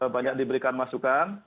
banyak diberikan masukan